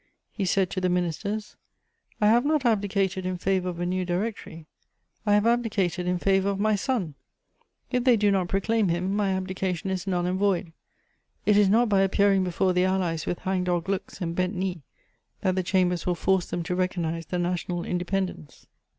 He said to the ministers: "I have not abdicated in favour of a new Directory; I have abdicated in favour of my son: if they do not proclaim him, my abdication is null and void. It is not by appearing before the Allies with hang dog looks and bent knee that the Chambers will force them to recognise the national independence."